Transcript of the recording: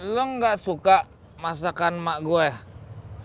lo gak suka masakan emak gua ya